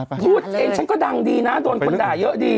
พูดเองฉันก็ดังดีนะโดนคนด่าเยอะดี